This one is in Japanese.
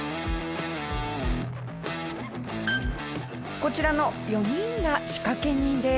こちらの４人が仕掛け人です。